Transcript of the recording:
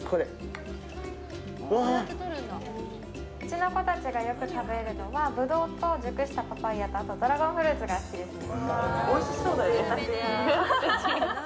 うちの子たちがよく食べるのはブドウと、熟したパパイヤとあとドラゴンフルーツが好きですね。